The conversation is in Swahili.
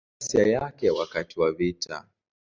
Kwa ghasia yake wakati wa vita.